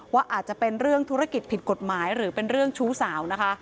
ว่าอาจจะเป็นเรื่องธุรกิจผิดกฎหมายหรือเป็นเรื่องชู้สาวนะคะ